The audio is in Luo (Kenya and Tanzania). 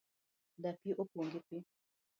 Dapii opong' gi pii